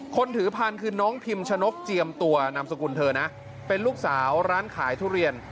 คนถือพันธุ์คือน้องพิมชนกเจียมตัวนามสกุลเธอนะเป็นลูกสาวร้านขายทุเรียน